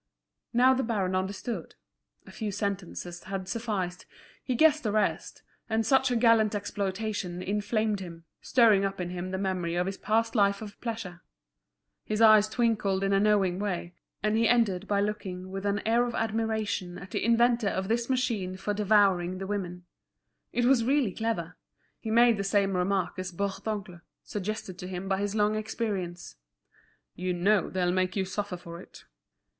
Now the baron understood. A few sentences had sufficed, he guessed the rest, and such a gallant exploitation inflamed him, stirring up in him the memory of his past life of pleasure. His eyes twinkled in a knowing way, and he ended by looking with an air of admiration at the inventor of this machine for devouring the women. It was really clever. He made the same remark as Bourdoncle, suggested to him by his long experience: "You know they'll make you suffer for it."